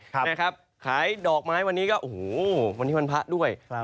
ครับนะครับขายดอกไม้วันนี้ก็โอ้โหวันนี้วันพระด้วยครับ